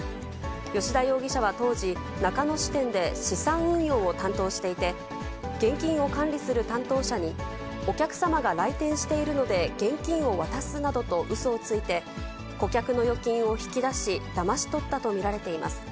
吉田容疑者は当時、中野支店で資産運用を担当していて、現金を管理する担当者に、お客様が来店しているので現金を渡すなどとうそをついて、顧客の預金を引き出し、だまし取ったと見られています。